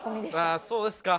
ああそうですか。